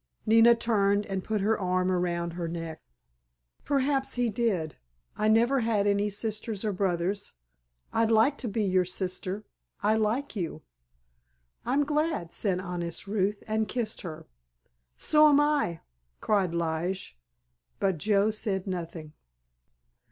Nina turned and put her arm about her neck. "Perhaps He did. I never had any sisters or brothers. I'd like to be your sister. I like you." "I'm glad," said honest Ruth, and kissed her. "So'm I," cried Lige; but Joe said nothing.